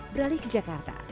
beralih ke jakarta